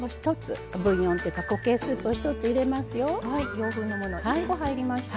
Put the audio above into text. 洋風のもの１コ入りました。